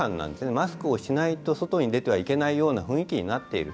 マスクをしないと外に出てはいけないような雰囲気になっている。